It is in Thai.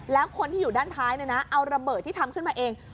แล้วคนที่อยู่ด้านท้ายเนี่ยนะเอาระเบิดที่ทำขึ้นมาเอง